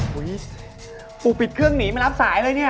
อุ๊ยปูปิดเครื่องหนีไม่รับสายเลยเนี่ย